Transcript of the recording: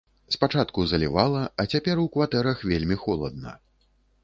Спачатку залівала, а цяпер у кватэрах вельмі холадна.